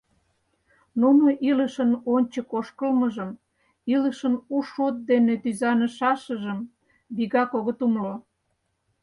Нуно илышын ончык ошкылмыжым, илышын у шот дене тӱзанышашыжым вигак огыт умыло.